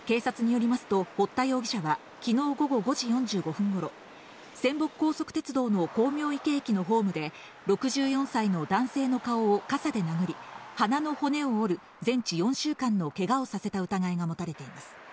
警察によりますと堀田容疑者は昨日午後５時４５分頃、泉北高速鉄道の光明池駅のホームで６４歳の男性の顔を傘で殴り、鼻の骨を折る全治４週間のけがをさせた疑いが持たれています。